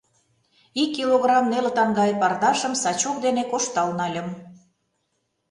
Ик килограмм нелытан гай пардашым сачок дене коштал нальым.